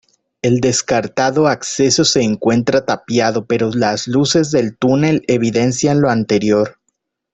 El descartado acceso se encuentra tapiado pero las luces del túnel evidencian lo anterior.